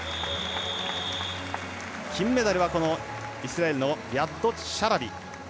金メダルは、イスラエルのリヤッド・シャラビ。